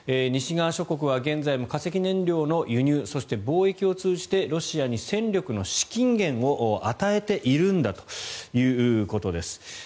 西側諸国は現在も化石燃料の輸入そして貿易を通じてロシアに戦力の資金源を与えているんだということです。